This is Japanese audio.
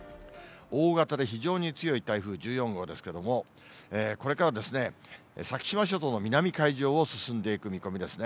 大型で非常に強い台風１４号ですけれども、これから先島諸島の南海上を進んでいく見込みですね。